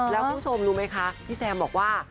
แล้วคุณผู้ชมรู้ไหมคะพี่แซมบอกว่า